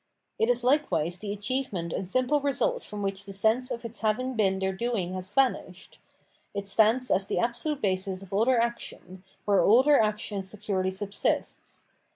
It is likewise the achieve ment and simple result from which the sense of its having been their doing has vanished : it stands as the absolute basis of all their action, where all their action securely subsists.